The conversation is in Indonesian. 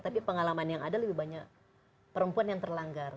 tapi pengalaman yang ada lebih banyak perempuan yang terlanggar